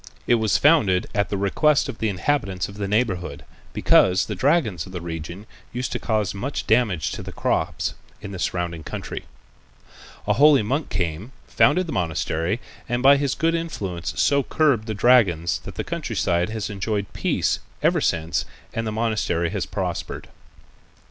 It was founded at the request of the inhabitants of the neighborhood, because the dragons of the region used to cause much damage to the crops in the surrounding country. A holy monk came, founded the monastery, and by his good influence so curbed the dragons that the country side has enjoyed peace ever since and the monastery has prospered.